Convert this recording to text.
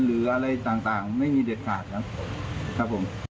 หรืออะไรต่างไม่มีเดชขาดนะ